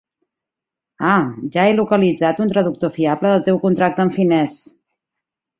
Ah, ja he localitzat un traductor fiable del teu contracte en finès.